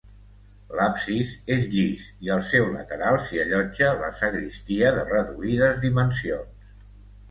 L'absis és llis i al seu lateral s'hi allotja la sagristia de reduïdes dimensions.